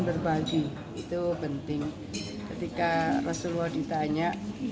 berbagi itu penting ketika rasulullah ditanya